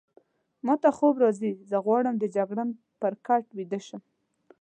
ما ته خوب راځي، زه غواړم د جګړن پر کټ ویده شم.